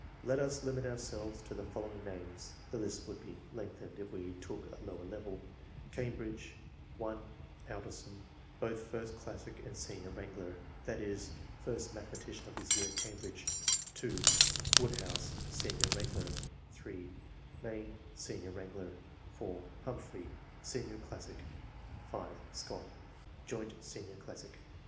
Let us limit ourselves to the following names (the list would be lengthened if we took a lower level) :— Cambridge : (1) Alderson, both first classic and senior wrangler, that is, first ma thematician of his year at Cambridge; (2) Woodhouse, senior wrangler; (3) Main, senior wrangler ; (4) Humphrey, senior classic ; (5) Scott, joint senior classic.